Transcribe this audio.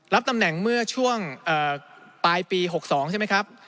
รับตำแหน่งเมื่อช่วงปลายปี๖๒ใช่ไหมครับ